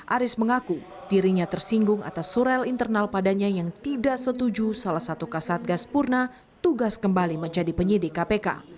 aris mengaku dirinya tersinggung atas surel internal padanya yang tidak setuju salah satu kasat gas purna tugas kembali menjadi penyidik kpk